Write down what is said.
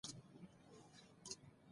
ډارن سړی خپلي موخي ته نه سي رسېدلاي